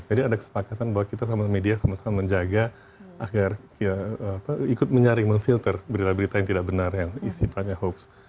jadi ada kesepakatan bahwa kita sama media sama sama menjaga agar ikut menyaring memfilter berita berita yang tidak benar yang isi banyak hoax